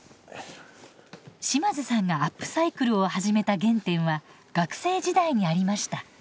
島津さんがアップサイクルを始めた原点は学生時代にありました。